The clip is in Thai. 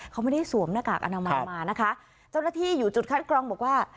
เขาไม่ได้สวมหน้ากากอนามัยมานะคะเจ้าหน้าที่อยู่จุดคัดกรองบอกว่า